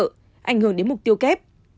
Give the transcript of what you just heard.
ảnh hưởng đến mục tiêu kép